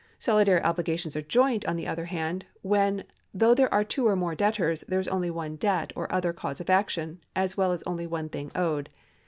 2. Solidary obligations are joint, on the other hand, when, though there are two or more debtors, there is only one debt or other cause of action, as well as only one thing owed.